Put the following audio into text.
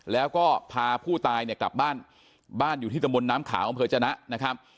แล้วก็พาผู้ตายเนี่ยกลับบ้านบ้านอยู่ที่ตำบลน้ำขาวอำเภอจนะนะครับ